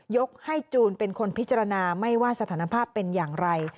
ยกให้จูนเป็นคนพิจารณาไม่ว่าสถานภาพเป็นอย่างไร